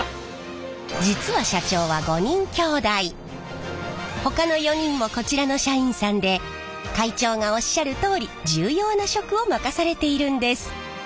実は社長はほかの４人もこちらの社員さんで会長がおっしゃるとおり重要な職を任されているんです。